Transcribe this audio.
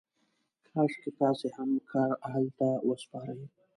کاشکې تاسې هم کار اهل کار ته وسپارئ.